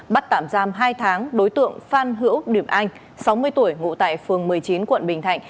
bắt tạm giam hai tháng đối tượng phan hữu điệp anh sáu mươi tuổi ngụ tại phường một mươi chín quận bình thạnh